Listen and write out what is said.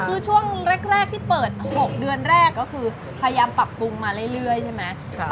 คือช่วงแรกที่เปิด๖เดือนแรกก็คือพยายามปรับปรุงมาเรื่อยใช่ไหม